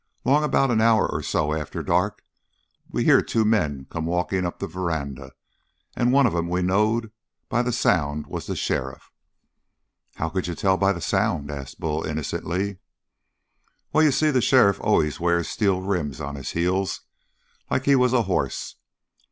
Long about an hour or so after dark we hear two men come walking up on the veranda, and one of 'em we knowed by the sound was the sheriff." "How could you tell by the sound?" asked Bull innocently. "Well, you see the sheriff always wears steel rims on his heels like he was a horse.